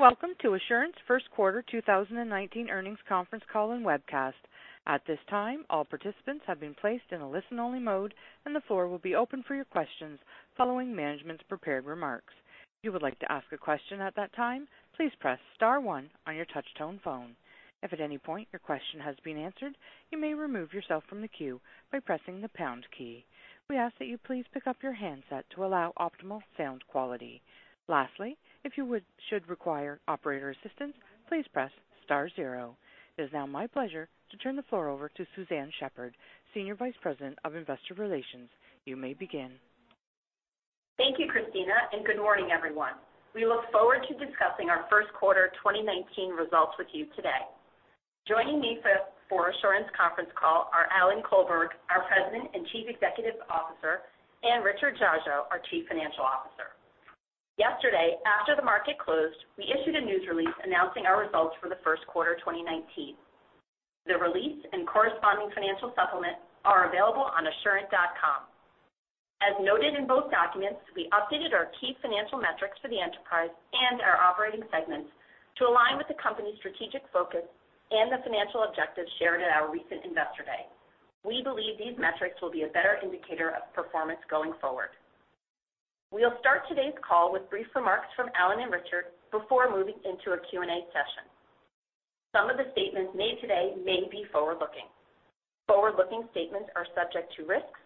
Welcome to Assurant's first quarter 2019 earnings conference call and webcast. At this time, all participants have been placed in a listen-only mode, and the floor will be open for your questions following management's prepared remarks. If you would like to ask a question at that time, please press star one on your touch-tone phone. If at any point your question has been answered, you may remove yourself from the queue by pressing the pound key. We ask that you please pick up your handset to allow optimal sound quality. Lastly, if you should require operator assistance, please press star zero. It is now my pleasure to turn the floor over to Suzanne Shepherd, Senior Vice President of Investor Relations. You may begin. Thank you, Christina. Good morning, everyone. We look forward to discussing our first quarter 2019 results with you today. Joining me for Assurant's conference call are Alan Colberg, our President and Chief Executive Officer, and Richard Dziadzio, our Chief Financial Officer. Yesterday, after the market closed, we issued a news release announcing our results for the first quarter 2019. The release and corresponding financial supplement are available on assurant.com. As noted in both documents, we updated our key financial metrics for the enterprise and our operating segments to align with the company's strategic focus and the financial objectives shared at our recent Investor Day. We believe these metrics will be a better indicator of performance going forward. We'll start today's call with brief remarks from Alan and Richard before moving into a Q&A session. Some of the statements made today may be forward-looking. Forward-looking statements are subject to risks,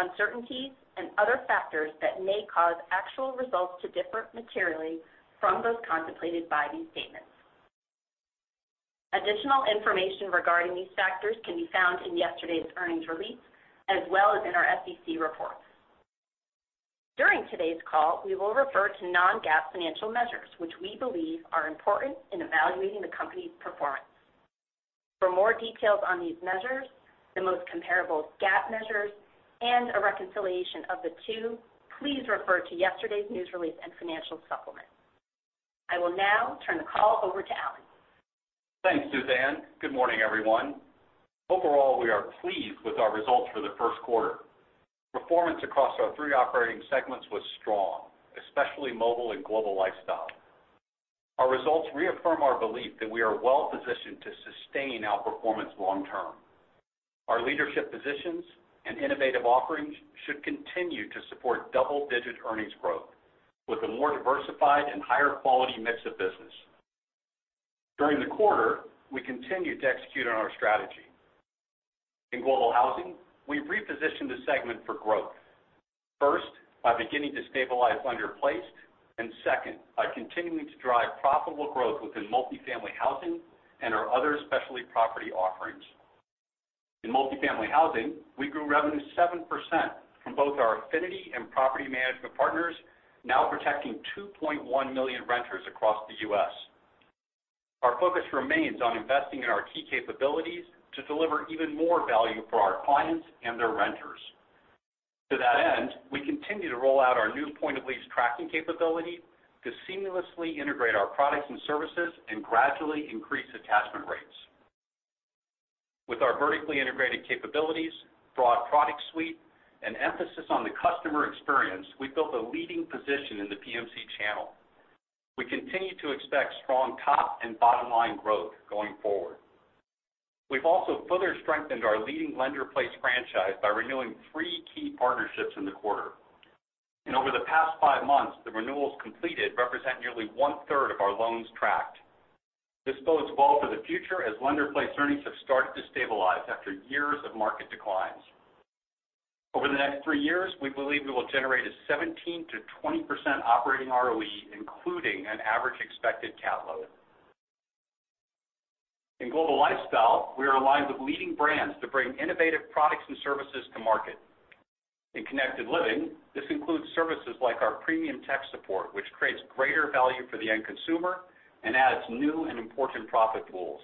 uncertainties, and other factors that may cause actual results to differ materially from those contemplated by these statements. Additional information regarding these factors can be found in yesterday's earnings release, as well as in our SEC reports. During today's call, we will refer to non-GAAP financial measures, which we believe are important in evaluating the company's performance. For more details on these measures, the most comparable GAAP measures, and a reconciliation of the two, please refer to yesterday's news release and financial supplement. I will now turn the call over to Alan. Thanks, Suzanne. Good morning, everyone. Overall, we are pleased with our results for the first quarter. Performance across our three operating segments was strong, especially Mobile and Global Lifestyle. Our results reaffirm our belief that we are well positioned to sustain outperformance long term. Our leadership positions and innovative offerings should continue to support double-digit earnings growth with a more diversified and higher-quality mix of business. During the quarter, we continued to execute on our strategy. In Global Housing, we repositioned the segment for growth. First, by beginning to stabilize Lender-Placed, and second, by continuing to drive profitable growth within multifamily housing and our other specialty property offerings. In multifamily housing, we grew revenue 7% from both our affinity and property management partners, now protecting 2.1 million renters across the U.S. Our focus remains on investing in our key capabilities to deliver even more value for our clients and their renters. To that end, we continue to roll out our new point-of-lease tracking capability to seamlessly integrate our products and services and gradually increase attachment rates. With our vertically integrated capabilities, broad product suite, and emphasis on the customer experience, we've built a leading position in the PMC channel. We continue to expect strong top and bottom-line growth going forward. We've also further strengthened our leading Lender-placed franchise by renewing three key partnerships in the quarter. Over the past five months, the renewals completed represent nearly one-third of our loans tracked. This bodes well for the future as Lender-placed earnings have started to stabilize after years of market declines. Over the next three years, we believe we will generate a 17%-20% operating ROE, including an average expected cat load. In Global Lifestyle, we are aligned with leading brands to bring innovative products and services to market. In Connected Living, this includes services like our premium tech support, which creates greater value for the end consumer and adds new and important profit pools.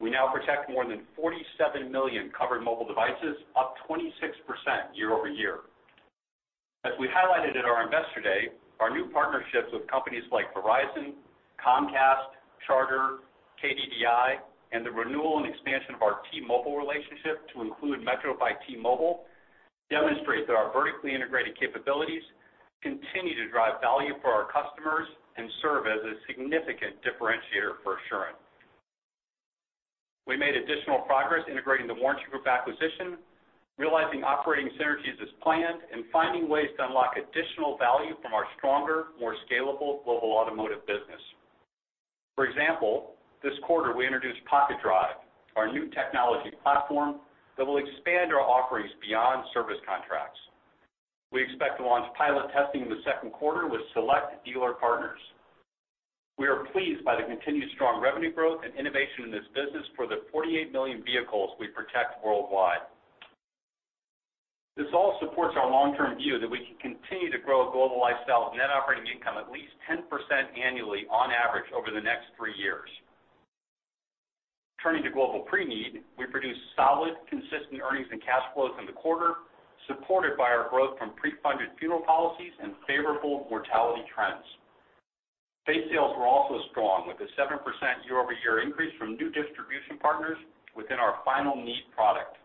We now protect more than 47 million covered mobile devices, up 26% year-over-year. As we highlighted at our Investor Day, our new partnerships with companies like Verizon, Comcast, Charter, KDDI, and the renewal and expansion of our T-Mobile relationship to include Metro by T-Mobile demonstrate that our vertically integrated capabilities continue to drive value for our customers and serve as a significant differentiator for Assurant. We made additional progress integrating The Warranty Group acquisition, realizing operating synergies as planned, and finding ways to unlock additional value from our stronger, more scalable global automotive business. For example, this quarter, we introduced Pocket Drive, our new technology platform that will expand our offerings beyond service contracts. We expect to launch pilot testing in the second quarter with select dealer partners. We are pleased by the continued strong revenue growth and innovation in this business for the 48 million vehicles we protect worldwide. This all supports our long-term view that we can continue to grow Global Lifestyle net operating income at least 10% annually on average over the next three years. Turning to Global Preneed, we produced solid, consistent earnings and cash flows in the quarter, supported by our growth from pre-funded funeral policies and favorable mortality trends. Base sales were also strong, with a 7% year-over-year increase from new distribution partners within our Final Need product.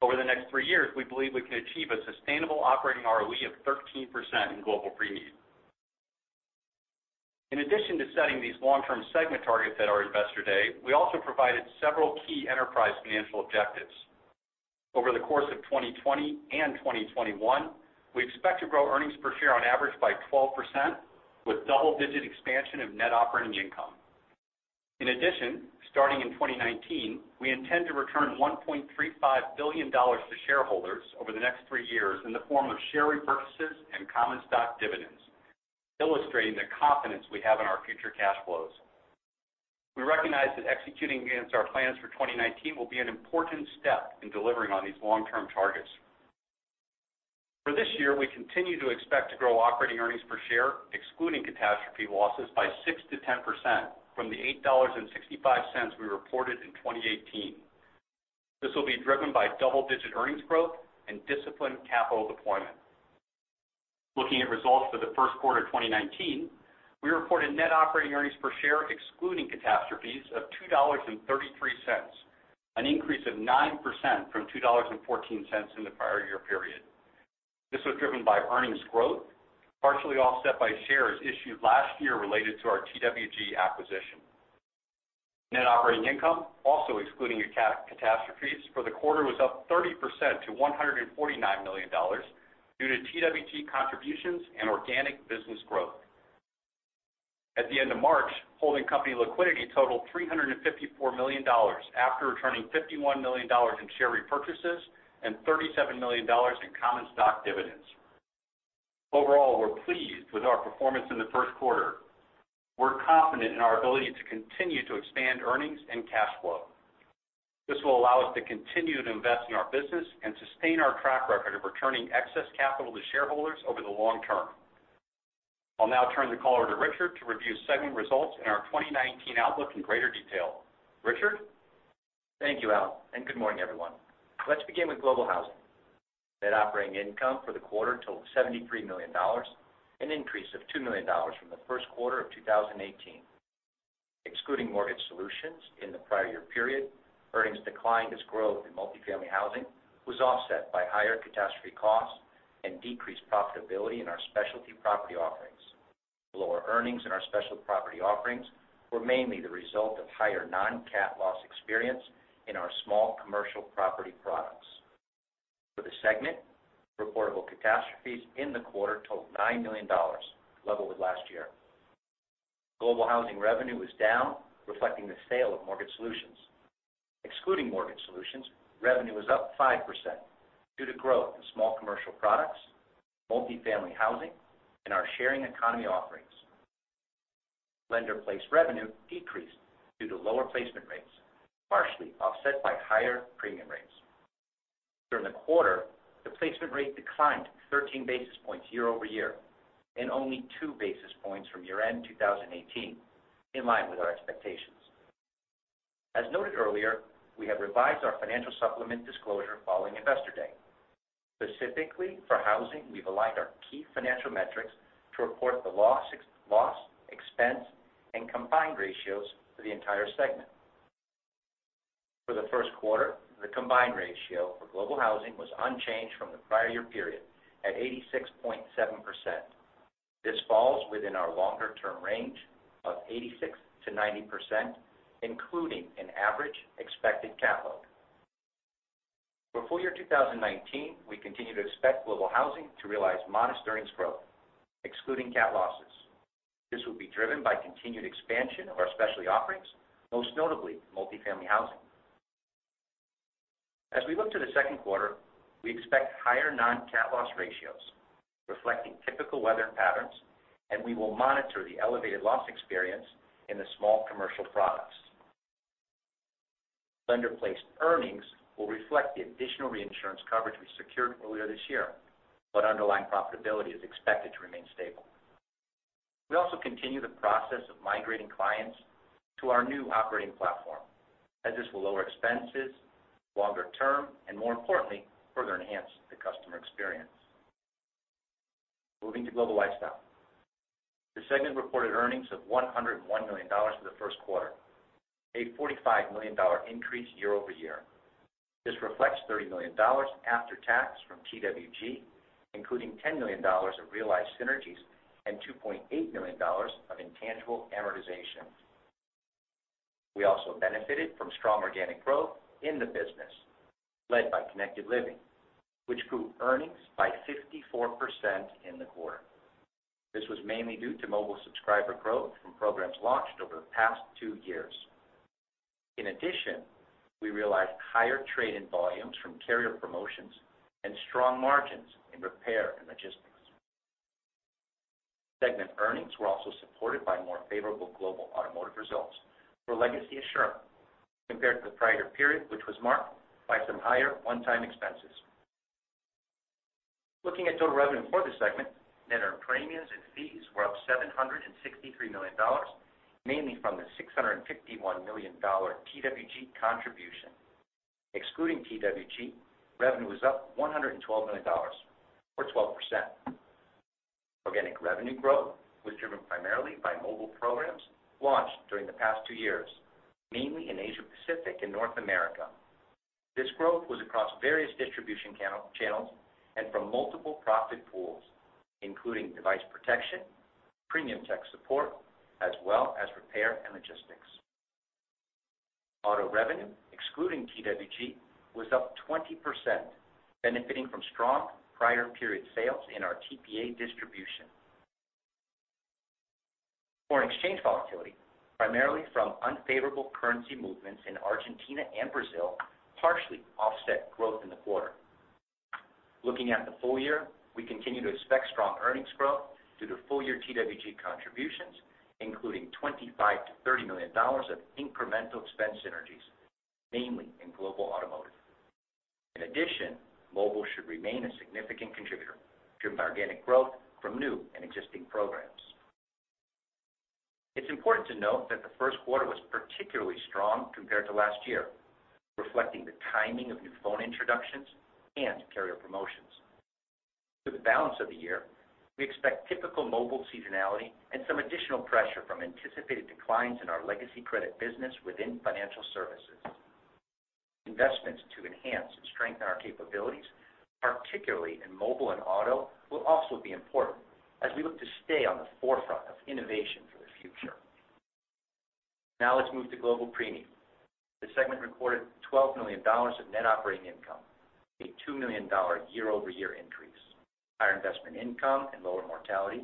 Over the next three years, we believe we can achieve a sustainable operating ROE of 13% in Global Preneed. In addition to setting these long-term segment targets at our Investor Day, we also provided several key enterprise financial objectives. Over the course of 2020 and 2021, we expect to grow earnings per share on average by 12%, with double-digit expansion of net operating income. In addition, starting in 2019, we intend to return $1.35 billion to shareholders over the next three years in the form of share repurchases and common stock dividends, illustrating the confidence we have in our future cash flows. We recognize that executing against our plans for 2019 will be an important step in delivering on these long-term targets. For this year, we continue to expect to grow operating earnings per share, excluding catastrophe losses, by 6% to 10% from the $8.65 we reported in 2018. This will be driven by double-digit earnings growth and disciplined capital deployment. Looking at results for the first quarter of 2019, we reported net operating earnings per share, excluding catastrophes, of $2.33, an increase of 9% from $2.14 in the prior year period. This was driven by earnings growth, partially offset by shares issued last year related to our TWG acquisition. Net operating income, also excluding catastrophes for the quarter, was up 30% to $149 million due to TWG contributions and organic business growth. At the end of March, holding company liquidity totaled $354 million, after returning $51 million in share repurchases and $37 million in common stock dividends. Overall, we're pleased with our performance in the first quarter. We're confident in our ability to continue to expand earnings and cash flow. This will allow us to continue to invest in our business and sustain our track record of returning excess capital to shareholders over the long term. I'll now turn the call over to Richard to review segment results and our 2019 outlook in greater detail. Richard? Thank you, Al, and good morning, everyone. Let's begin with Global Housing. Net operating income for the quarter totaled $73 million, an increase of $2 million from the first quarter of 2018. Excluding Mortgage Solutions in the prior year period, earnings declined as growth in multifamily housing was offset by higher catastrophe costs and decreased profitability in our specialty property offerings. Lower earnings in our special property offerings were mainly the result of higher non-cat loss experience in our small commercial property products. For the segment, reportable catastrophes in the quarter totaled $9 million, level with last year. Global Housing revenue was down, reflecting the sale of Mortgage Solutions. Excluding Mortgage Solutions, revenue was up 5% due to growth in small commercial products, multifamily housing, and our sharing economy offerings. Lender-placed revenue decreased due to lower placement rates, partially offset by higher premium rates. During the quarter, the placement rate declined 13 basis points year-over-year, and only two basis points from year-end 2018, in line with our expectations. As noted earlier, we have revised our financial supplement disclosure following Investor Day. Specifically for housing, we've aligned our key financial metrics to report the loss, expense, and combined ratios for the entire segment. For the first quarter, the combined ratio for Global Housing was unchanged from the prior year period at 86.7%. This falls within our longer-term range of 86%-90%, including an average expected catastrophe load. For full year 2019, we continue to expect Global Housing to realize modest earnings growth, excluding cat losses. This will be driven by continued expansion of our specialty offerings, most notably multifamily housing. As we look to the second quarter, we expect higher non-cat loss ratios reflecting typical weather patterns, and we will monitor the elevated loss experience in the small commercial products. Lender-placed earnings will reflect the additional reinsurance coverage we secured earlier this year, but underlying profitability is expected to remain stable. We also continue the process of migrating clients to our new operating platform, as this will lower expenses longer term and, more importantly, further enhance the customer experience. Moving to Global Lifestyle. The segment reported earnings of $101 million for the first quarter, a $45 million increase year-over-year. This reflects $30 million after tax from TWG, including $10 million of realized synergies and $2.8 million of intangible amortization. We also benefited from strong organic growth in the business led by Connected Living, which grew earnings by 54% in the quarter. This was mainly due to mobile subscriber growth from programs launched over the past two years. In addition, we realized higher trade-in volumes from carrier promotions and strong margins in repair and logistics. Segment earnings were also supported by more favorable global automotive results for legacy Assurant compared to the prior period, which was marked by some higher one-time expenses. Looking at total revenue for the segment, net earned premiums and fees were up $763 million, mainly from the $651 million TWG contribution. Excluding TWG, revenue was up $112 million or 12%. Organic revenue growth was driven primarily by mobile programs launched during the past two years, mainly in Asia Pacific and North America. This growth was across various distribution channels and from multiple profit pools, including device protection, premium tech support, as well as repair and logistics. Auto revenue, excluding TWG, was up 20%, benefiting from strong prior period sales in our TPA distribution. Foreign exchange volatility, primarily from unfavorable currency movements in Argentina and Brazil, partially offset growth in the quarter. Looking at the full year, we continue to expect strong earnings growth due to full-year TWG contributions, including $25 million-$30 million of incremental expense synergies, mainly in global automotive. In addition, mobile should remain a significant contributor, driven by organic growth from new and existing programs. It's important to note that the first quarter was particularly strong compared to last year, reflecting the timing of new phone introductions and carrier promotions. Through the balance of the year, we expect typical mobile seasonality and some additional pressure from anticipated declines in our legacy credit business within financial services. Investments to enhance and strengthen our capabilities, particularly in mobile and auto, will also be important as we look to stay on the forefront of innovation for the future. Now let's move to Global Preneed. The segment recorded $12 million of net operating income, a $2 million year-over-year increase. Higher investment income and lower mortality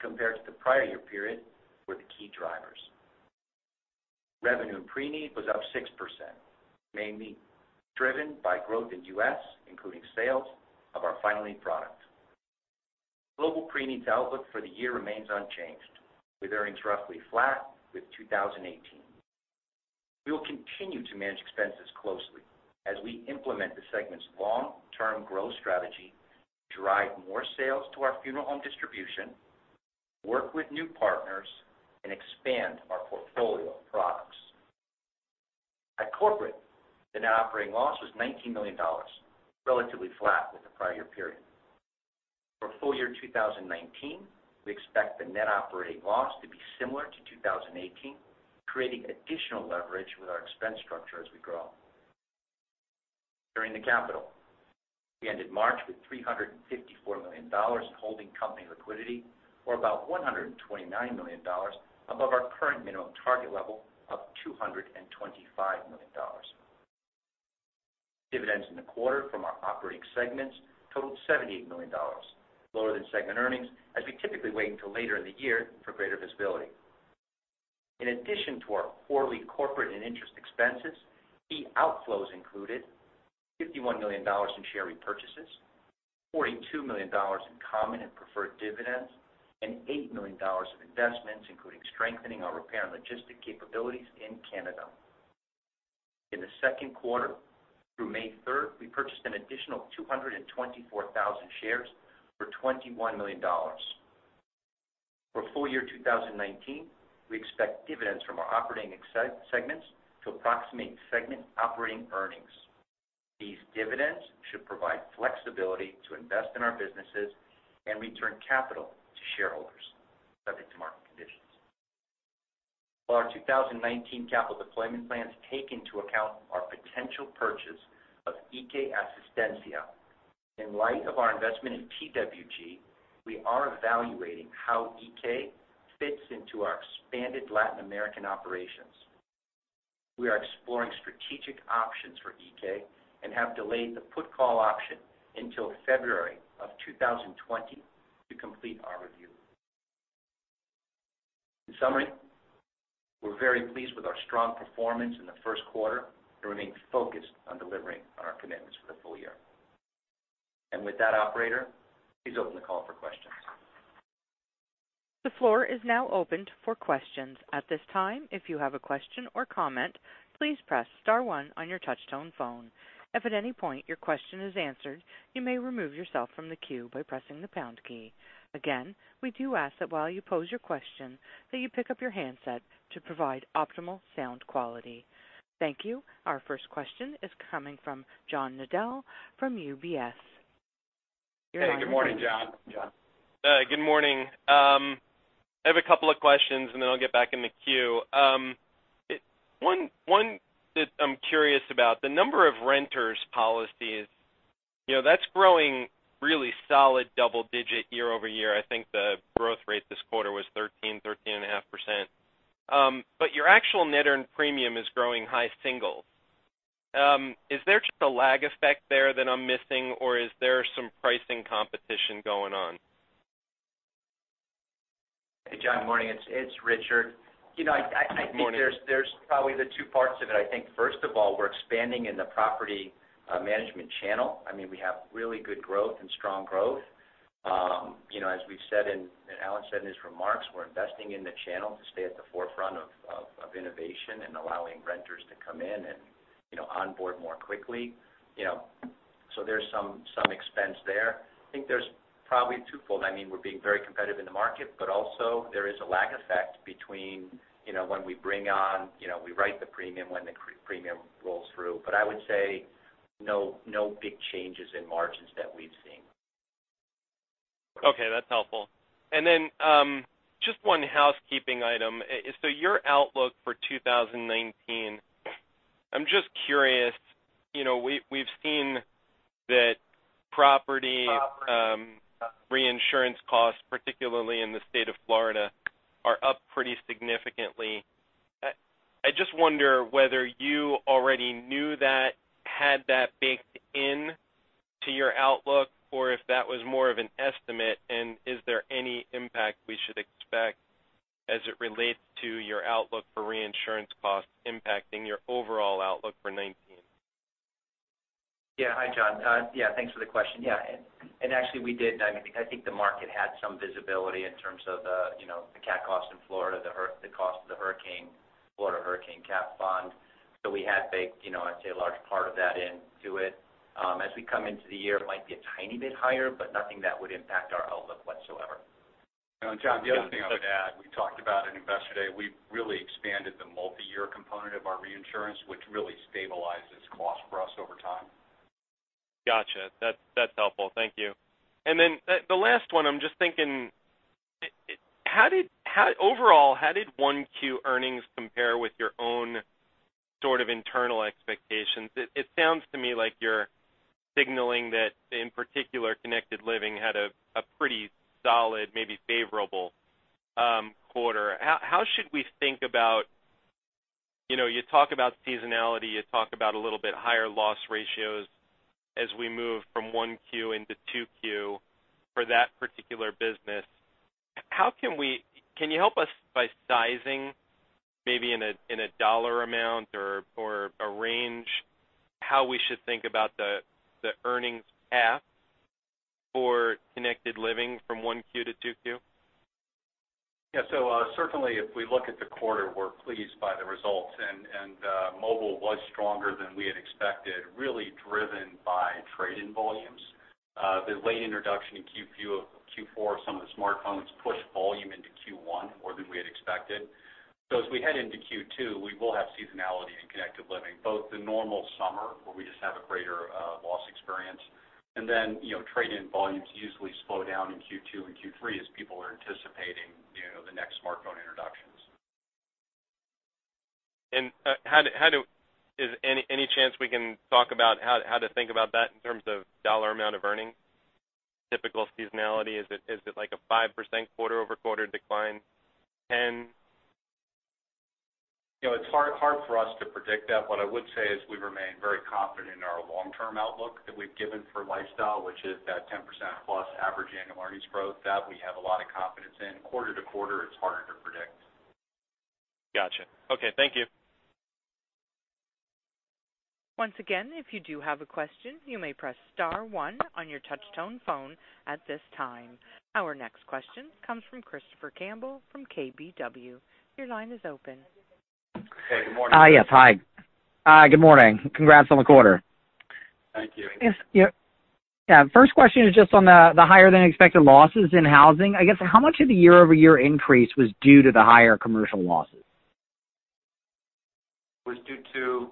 compared to the prior year period were the key drivers. Revenue in preneed was up 6%, mainly driven by growth in U.S., including sales of our Final Need product. Global Preneed's outlook for the year remains unchanged, with earnings roughly flat with 2018. We will continue to manage expenses closely as we implement the segment's long-term growth strategy, drive more sales to our funeral home distribution, work with new partners, and expand our portfolio of products. At corporate, the net operating loss was $19 million, relatively flat with the prior year period. For full year 2019, we expect the net operating loss to be similar to 2018, creating additional leverage with our expense structure as we grow. Turning to capital. We ended March with $354 million in holding company liquidity, or about $129 million above our current minimum target level of $225 million. Dividends in the quarter from our operating segments totaled $78 million, lower than segment earnings, as we typically wait until later in the year for greater visibility. In addition to our quarterly corporate and interest expenses, key outflows included $51 million in share repurchases, $42 million in common and preferred dividends, and $8 million of investments, including strengthening our repair and logistics capabilities in Canada. In the second quarter, through May 3rd, we purchased an additional 224,000 shares for $21 million. For full year 2019, we expect dividends from our operating segments to approximate segment operating earnings. These dividends should provide flexibility to invest in our businesses and return capital to shareholders subject to market conditions. While our 2019 capital deployment plans take into account our potential purchase of Iké Asistencia, in light of our investment in TWG, we are evaluating how Iké fits into our expanded Latin American operations. We are exploring strategic options for Iké and have delayed the put call option until February of 2020 to complete our review. In summary, we're very pleased with our strong performance in the first quarter and remain focused on delivering on our commitments for the full year. With that, operator, please open the call for questions. The floor is now opened for questions. At this time, if you have a question or comment, please press star one on your touch-tone phone. If at any point your question is answered, you may remove yourself from the queue by pressing the pound key. Again, we do ask that while you pose your question, that you pick up your handset to provide optimal sound quality. Thank you. Our first question is coming from John Nadel from UBS. Hey, good morning, John. Your line is open, John. Good morning. I have a couple of questions and then I'll get back in the queue. One that I'm curious about, the number of renters policies, that's growing really solid double-digit year-over-year. I think the growth rate this quarter was 13%, 13.5%. Your actual net earned premium is growing high-single. Is there just a lag effect there that I'm missing or is there some pricing competition going on? Hey, John. Morning. It's Richard. Morning. I think there's probably the two parts of it. I think first of all, we're expanding in the property management channel. We have really good growth and strong growth. As Alan said in his remarks, we're investing in the channel to stay at the forefront of innovation and allowing renters to come in and onboard more quickly. There's some expense there. I think there's probably twofold. We're being very competitive in the market, also there is a lag effect between when we bring on, we write the premium, when the premium rolls through. I would say no big changes in margins that we've seen. Okay, that's helpful. Just one housekeeping item. Your outlook for 2019, I'm just curious, we've seen that property reinsurance costs, particularly in the state of Florida, are up pretty significantly. I just wonder whether you already knew that, had that baked into your outlook, or if that was more of an estimate, is there any impact we should expect as it relates to your outlook for reinsurance costs impacting your overall outlook for 2019? Yeah. Hi, John. Yeah, thanks for the question. Yeah. Actually, we did. I think the market had some visibility in terms of the cat cost in Florida, the cost of the Florida Hurricane Catastrophe Fund. We had baked, I'd say, a large part of that into it. As we come into the year, it might be a tiny bit higher, but nothing that would impact our outlook whatsoever. John, the other thing I would add, we talked about at Investor Day, we've really expanded the multi-year component of our reinsurance, which really stabilizes cost for us over time. Got you. That's helpful. Thank you. The last one, I'm just thinking, overall, how did 1Q earnings compare with your own sort of internal expectations? It sounds to me like you're signaling that, in particular, Connected Living had a pretty solid, maybe favorable quarter. How should we think about, you talk about seasonality, you talk about a little bit higher loss ratios as we move from 1Q into 2Q for that particular business. Can you help us by sizing maybe in a dollar amount or a range, how we should think about the earnings path for Connected Living from 1Q to 2Q? Certainly, if we look at the quarter, we're pleased by the results, and Mobile was stronger than we had expected, really driven by trade-in volumes. The late introduction in Q4 of some of the smartphones pushed volume into Q1 more than we had expected. As we head into Q2, we will have seasonality in Connected Living, both the normal summer, where we just have a greater loss experience, and then trade-in volumes usually slow down in Q2 and Q3 as people are anticipating the next smartphone introductions. Any chance we can talk about how to think about that in terms of dollar amount of earnings? Typical seasonality, is it like a 5% quarter-over-quarter decline, 10%? It's hard for us to predict that. What I would say is we remain very confident in our long-term outlook that we've given for Lifestyle, which is that 10% plus average annual earnings growth. That we have a lot of confidence in. Quarter to quarter, it's harder to predict. Got you. Okay, thank you. Once again, if you do have a question, you may press star one on your touch-tone phone at this time. Our next question comes from Christopher Campbell from KBW. Your line is open. Hey, good morning. Yes, hi. Good morning. Congrats on the quarter. Thank you. Yeah. First question is just on the higher-than-expected losses in housing. I guess how much of the year-over-year increase was due to the higher commercial losses? Was due to?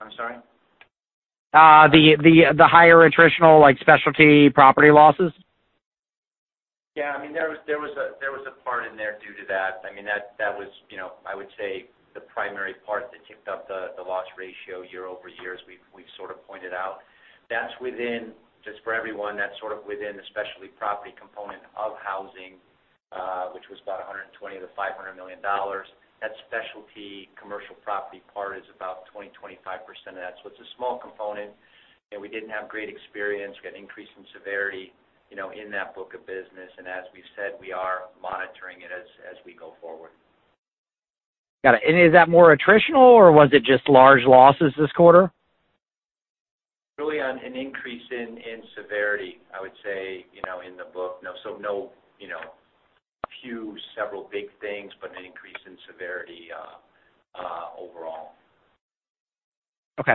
I'm sorry. The higher attritional specialty property losses. Yeah, there was a part in there due to that. That was, I would say, the primary part that ticked up the loss ratio year-over-year, as we've sort of pointed out. Just for everyone, that's sort of within the specialty property component of housing, which was about $120 million-$500 million. That specialty commercial property part is about 20%-25% of that. It's a small component, and we didn't have great experience. We had increase in severity in that book of business. As we said, we are monitoring it as we go forward. Got it. Is that more attritional, or was it just large losses this quarter? Really on an increase in severity, I would say, in the book. No few several big things, but an increase in severity overall. Okay.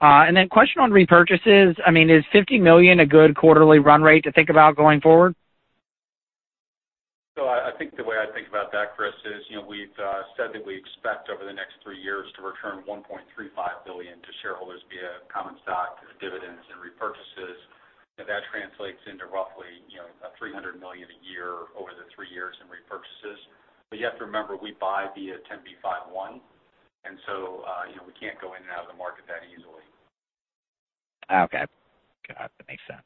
Then question on repurchases. Is $50 million a good quarterly run rate to think about going forward? I think the way I think about that, Chris, is we've said that we expect over the next three years to return $1.35 billion to shareholders via common stock dividends and repurchases. That translates into roughly $300 million a year over the three years in repurchases. You have to remember, we buy via 10b5-1, and so we can't go in and out of the market that easily. Okay. Got it. That makes sense.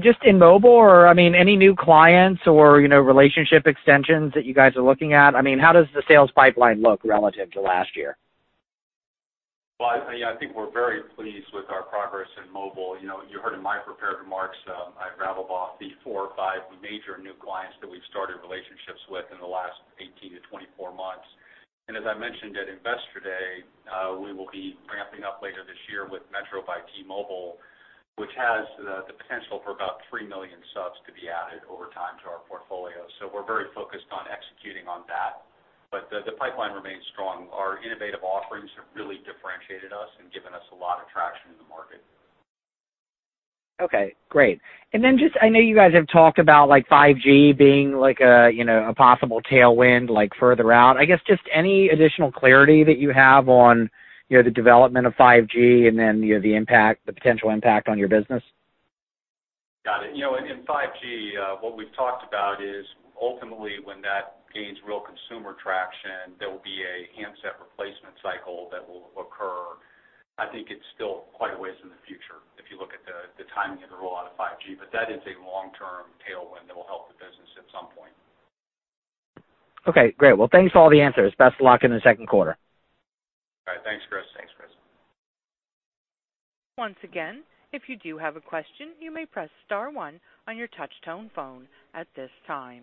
Just in Mobile, any new clients or relationship extensions that you guys are looking at? How does the sales pipeline look relative to last year? Well, I think we're very pleased with our progress in Mobile. You heard in my prepared remarks, I rattled off the four or five major new clients that we've started relationships with in the last 18-24 months. As I mentioned at Investor Day, we will be ramping up later this year with Metro by T-Mobile, which has the potential for about 3 million subs to be added over time to our portfolio. We're very focused on executing on that. The pipeline remains strong. Our innovative offerings have really differentiated us and given us a lot of traction in the market. Okay, great. Just, I know you guys have talked about 5G being a possible tailwind, further out. I guess just any additional clarity that you have on the development of 5G and then the potential impact on your business? Got it. In 5G, what we've talked about is ultimately when that gains real consumer traction, there will be a handset replacement cycle that will occur. I think it's still quite a ways in the future if you look at the timing of the rollout of 5G. That is a long-term tailwind that will help the business at some point. Okay, great. Well, thanks for all the answers. Best of luck in the second quarter. All right. Thanks, Chris. Once again, if you do have a question, you may press star one on your touch-tone phone at this time.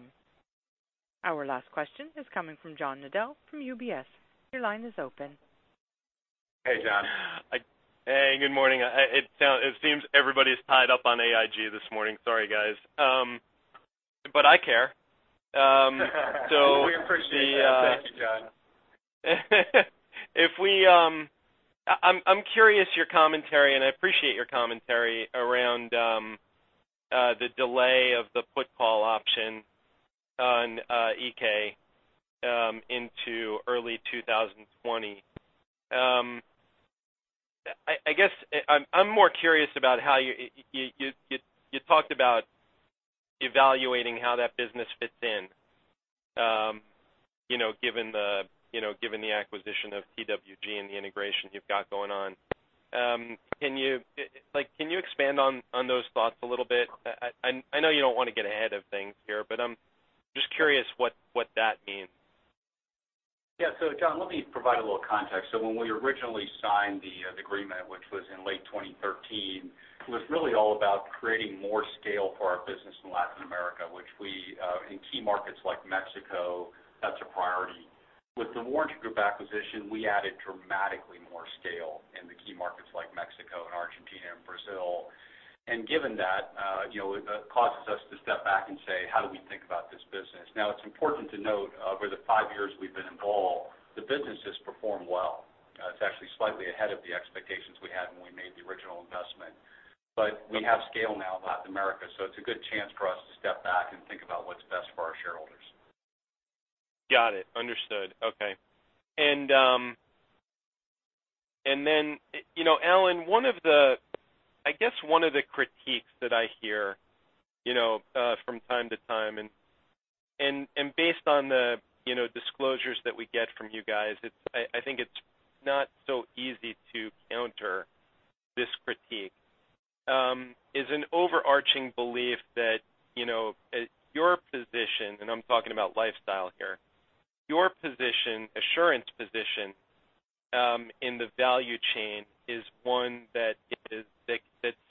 Our last question is coming from John Nadel from UBS. Your line is open. Hey, John. Hey, good morning. It seems everybody's tied up on AIG this morning. Sorry, guys. I care. We appreciate that. Thank you, John. I'm curious your commentary. I appreciate your commentary around the delay of the put call option on Iké into early 2020. I guess, I'm more curious about how you talked about evaluating how that business fits in, given the acquisition of TWG and the integration you've got going on. Can you expand on those thoughts a little bit? I know you don't want to get ahead of things here. I'm just curious what that means. Yeah. John, let me provide a little context. When we originally signed the agreement, which was in late 2013, it was really all about creating more scale for our business in Latin America, which we, in key markets like Mexico, that's a priority. With The Warranty Group acquisition, we added dramatically more scale in the key markets like Mexico and Argentina and Brazil. Given that, it causes us to step back and say, "How do we think about this business?" Now, it's important to note, over the five years we've been involved, the business has performed well. It's actually slightly ahead of the expectations we had when we made the original investment. We have scale now in Latin America. It's a good chance for us to step back and think about what's best for our shareholders. Got it. Understood. Okay. Then, Alan, I guess one of the critiques that I hear, from time to time and based on the disclosures that we get from you guys, I think it's not so easy to counter this critique, is an overarching belief that your position, and I'm talking about lifestyle here, your position, Assurant's position, in the value chain is one that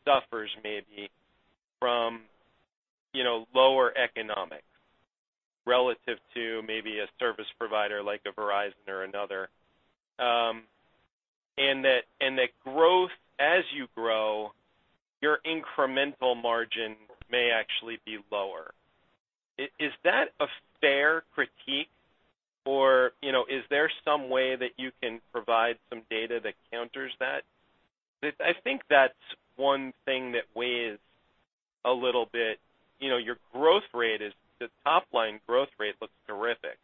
suffers maybe from lower economics relative to maybe a service provider like a Verizon or another. That growth, as you grow, your incremental margin may actually be lower. Is that a fair critique, or is there some way that you can provide some data that counters that? I think that's one thing that weighs a little bit. Your growth rate is, the top-line growth rate looks terrific,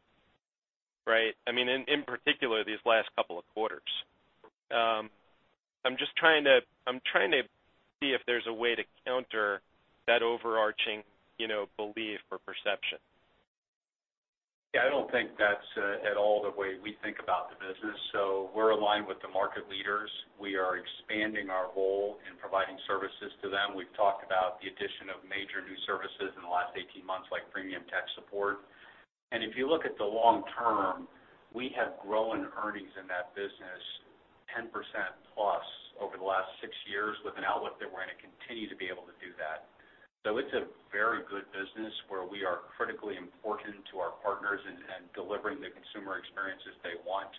right? In particular, these last couple of quarters. I'm trying to see if there's a way to counter that overarching belief or perception. Yeah, I don't think that's at all the way we think about the business. We're aligned with the market leaders. We are expanding our role in providing services to them. We've talked about the addition of major new services in the last 18 months, like premium tech support. If you look at the long term, we have grown earnings in that business 10% plus over the last six years with an outlook that we're going to continue to be able to do that. It's a very good business where we are critically important to our partners in delivering the consumer experiences they want.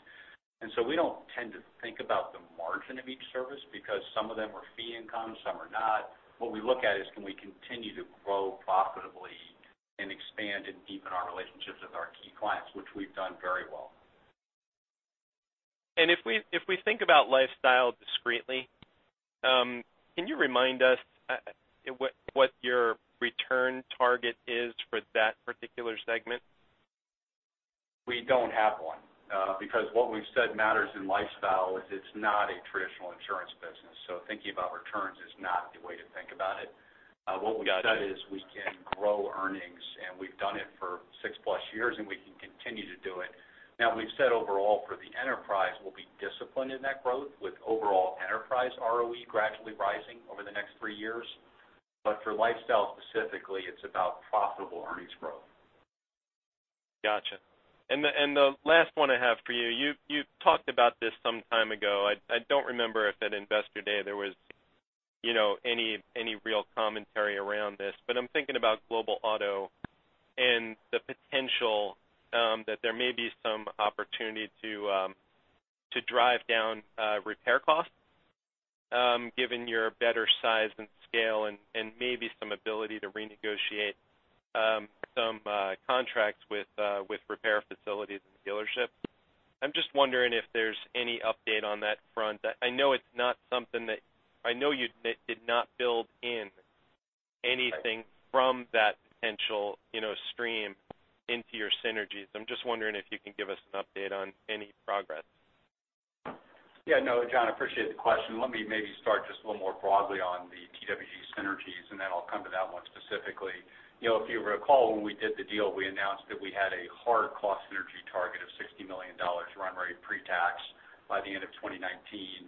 We don't tend to think about the margin of each service because some of them are fee income, some are not. What we look at is can we continue to grow profitably and expand and deepen our relationships with our key clients, which we've done very well. If we think about Lifestyle discreetly, can you remind us what your return target is for that particular segment? We don't have one. What we've said matters in Lifestyle is it's not a traditional insurance business, thinking about returns is not the way to think about it. Got it. What we said is we can grow earnings, we've done it for 6+ years, we can continue to do it. Now, we've said overall for the enterprise, we'll be disciplined in that growth with overall enterprise ROE gradually rising over the next three years. For Lifestyle specifically, it's about profitable earnings growth. Got you. The last one I have for you talked about this some time ago. I don't remember if at Investor Day there was any real commentary around this, but I'm thinking about global auto and the potential that there may be some opportunity To drive down repair costs, given your better size and scale and maybe some ability to renegotiate some contracts with repair facilities and dealerships. I'm just wondering if there's any update on that front. I know you did not build in anything- Right from that potential stream into your synergies. I'm just wondering if you can give us an update on any progress. Yeah, no, John, appreciate the question. Let me maybe start just a little more broadly on the TWG synergies. I'll come to that one specifically. If you recall, when we did the deal, we announced that we had a hard cost synergy target of $60 million run rate pre-tax by the end of 2019.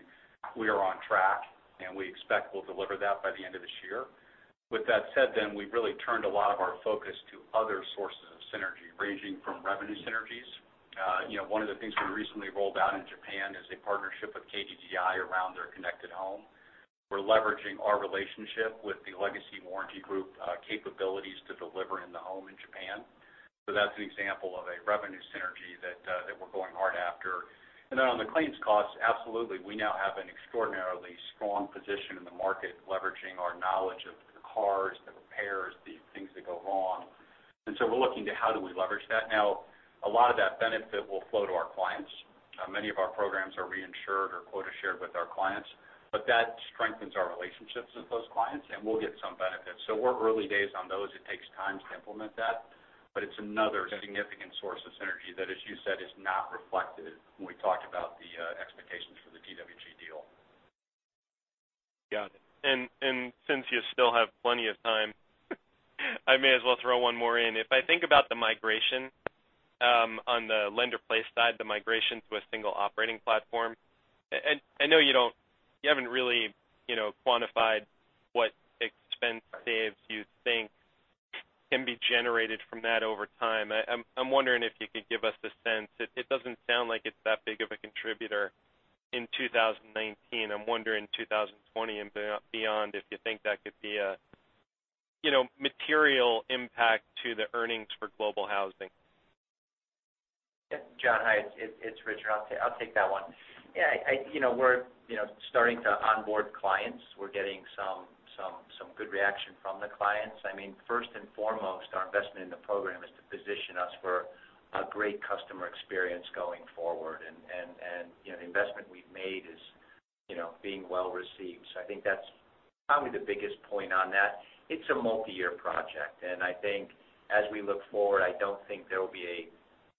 We are on track, and we expect we'll deliver that by the end of this year. That said, we've really turned a lot of our focus to other sources of synergy, ranging from revenue synergies. One of the things we recently rolled out in Japan is a partnership with KDDI around their connected home. We're leveraging our relationship with the legacy Warranty Group capabilities to deliver in the home in Japan. That's an example of a revenue synergy that we're going hard after. On the claims costs, absolutely, we now have an extraordinarily strong position in the market, leveraging our knowledge of the cars, the repairs, the things that go wrong. We're looking to how do we leverage that. A lot of that benefit will flow to our clients. Many of our programs are reinsured or quota-shared with our clients, but that strengthens our relationships with those clients, and we'll get some benefits. We're early days on those. It takes time to implement that, but it's another significant source of synergy that, as you said, is not reflected when we talked about the expectations for the TWG deal. Got it. Since you still have plenty of time, I may as well throw one more in. If I think about the migration on the Lender-placed side, the migration to a single operating platform. I know you haven't really quantified what expense saves you think can be generated from that over time. I'm wondering if you could give us a sense. It doesn't sound like it's that big of a contributor in 2019. I'm wondering in 2020 and beyond, if you think that could be a material impact to the earnings for Global Housing. John, hi. It's Richard. I'll take that one. We're starting to onboard clients. We're getting some good reaction from the clients. First and foremost, our investment in the program is to position us for a great customer experience going forward, and the investment we've made is being well-received. I think that's probably the biggest point on that. It's a multi-year project. I think as we look forward, I don't think there will be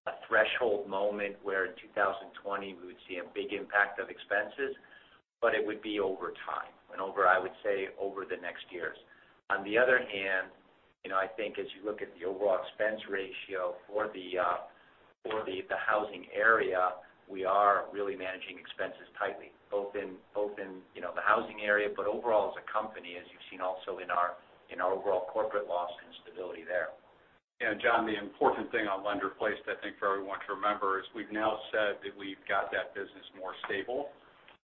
a threshold moment where in 2020 we would see a big impact of expenses, but it would be over time, and over, I would say, over the next years. On the other hand, I think as you look at the overall expense ratio for the housing area, we are really managing expenses tightly, both in the housing area, but overall as a company, as you've seen also in our overall corporate loss and stability there. John, the important thing on Lender-place that I think for everyone to remember is we've now said that we've got that business more stable.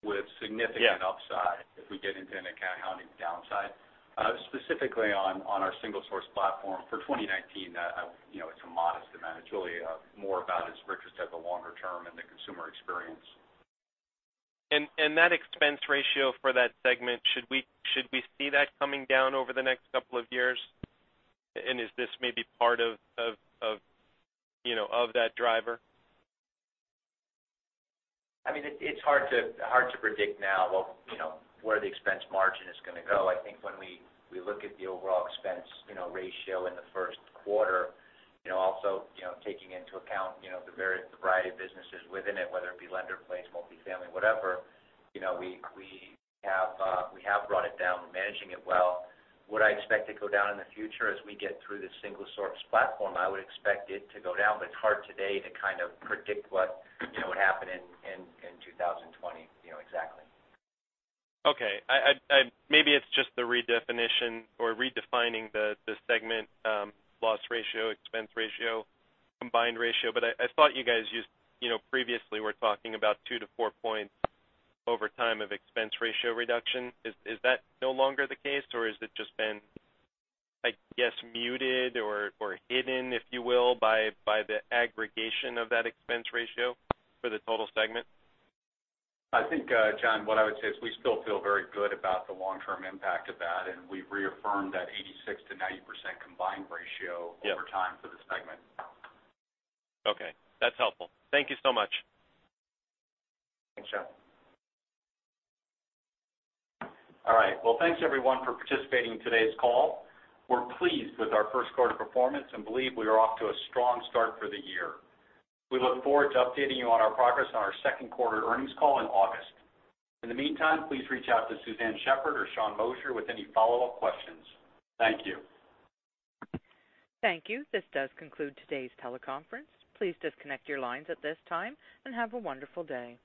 Yeah upside if we get into any kind of housing downside. Specifically on our single-source platform for 2019, it's a modest amount. It's really more about, as Richard said, the longer term and the consumer experience. That expense ratio for that segment, should we see that coming down over the next couple of years? Is this maybe part of that driver? It's hard to predict now where the expense margin is going to go. I think when we look at the overall expense ratio in the first quarter, also taking into account the variety of businesses within it, whether it be Lender-placed, multifamily, whatever, we have brought it down. We're managing it well. Would I expect to go down in the future? As we get through this single-source platform, I would expect it to go down, but it's hard today to kind of predict what would happen in 2020 exactly. Okay. Maybe it's just the redefinition or redefining the segment loss ratio, expense ratio, combined ratio, I thought you guys previously were talking about two to four points over time of expense ratio reduction. Is that no longer the case, or has it just been, I guess, muted or hidden, if you will, by the aggregation of that expense ratio for the total segment? I think, John, what I would say is we still feel very good about the long-term impact of that, and we've reaffirmed that 86%-90% combined ratio- Yeah over time for the segment. Okay. That's helpful. Thank you so much. Thanks, John. All right. Well, thanks everyone for participating in today's call. We're pleased with our first quarter performance and believe we are off to a strong start for the year. We look forward to updating you on our progress on our second quarter earnings call in August. In the meantime, please reach out to Suzanne Shepherd or Sean Moshier with any follow-up questions. Thank you. Thank you. This does conclude today's teleconference. Please disconnect your lines at this time, and have a wonderful day.